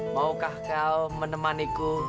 maukah kau menemani ku